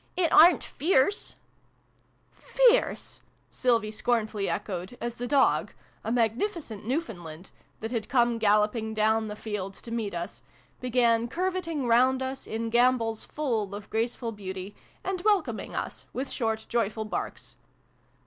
"It aren't fierce !"" Fierce !" Sylvie scornfully echoed, as the dog a magnificent Newfoundland that had come galloping down the field to meet us, began curveting round us, in gambols full of graceful beauty, and welcoming us with short joyful barks.